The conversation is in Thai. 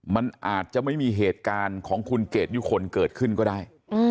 มันอาจจะไม่มีเหตุการณ์ของคุณเกดยุคลเกิดขึ้นก็ได้